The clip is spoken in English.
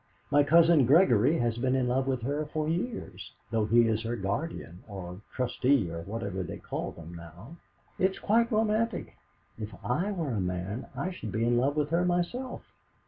My cousin Gregory has been in love with her for years, though he is her guardian or trustee, or whatever they call them now. It's quite romantic. If I were a man I should be in love with her myself."